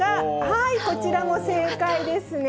はい、こちらも正解ですね。